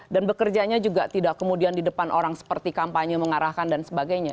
dan bekerjanya juga tidak kemudian di depan orang seperti kampanye mengarahkan dan sebagainya